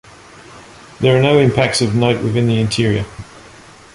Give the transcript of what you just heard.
There are no impacts of note within the interior.